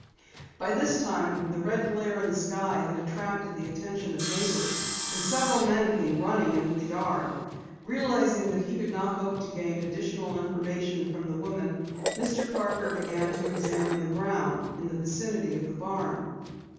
By this time the red glare in the sky had attracted the attention of neighbors, and several men came running into the yard. Realizing that he could not hope to gain additional information from the woman, Mr. Parker began to examine the ground in the vicinity of the barn.